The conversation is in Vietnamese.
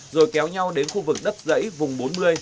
rồi kéo nhau đến khu vực đất dãy vùng bốn mươi